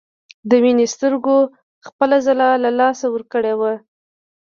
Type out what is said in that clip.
د مينې سترګو خپله ځلا له لاسه ورکړې وه